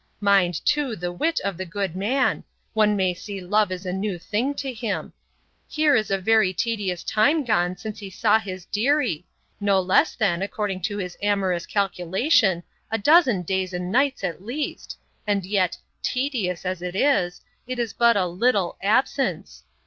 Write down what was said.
—'Mind, too, the wit of the good man! One may see love is a new thing to him. Here is a very tedious time gone since he saw his deary; no less than, according to his amorous calculation, a dozen days and nights, at least! and yet, TEDIOUS as it is, it is but a LITTLE ABSENCE.